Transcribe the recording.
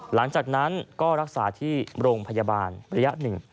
หลังจากนั้นก็รักษาที่โรงพยาบาลระยะหนึ่ง